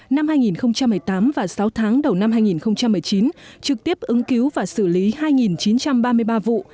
năm hai nghìn một mươi tám và sáu tháng đầu năm hai nghìn một mươi chín trực tiếp ứng cứu và xử lý hai chín trăm ba mươi ba vụ